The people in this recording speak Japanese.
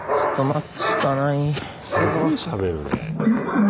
すごいしゃべるね。